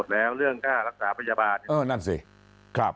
แล้วเรียกว่าเรื่องไทำก็รักษาพยาบาลเออนั่นสิครับ